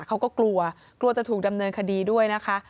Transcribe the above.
เขาก็กลัวกลัวจะถูกดำเนินคดีด้วยนะคะ